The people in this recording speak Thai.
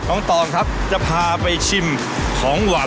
ตองครับจะพาไปชิมของหวาน